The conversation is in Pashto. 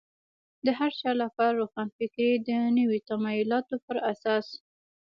د هر چا لپاره روښانفکري د نویو تمایلاتو په اساس.